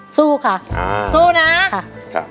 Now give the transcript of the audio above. สู้ค่ะสู้นะ